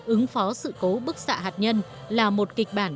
ứng phó sự cố bức xạ hạt nhân là một kịch bản